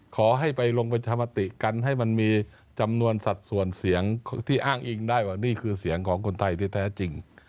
ขอให้ไปลงประชามติกันให้มันมีจำนวนสัดส่วนเสียงที่อ้างอิงได้ว่านี่คือเสียงของคนไทยที่แท้จริง